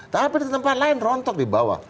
tapi di tempat lain rontok di bawah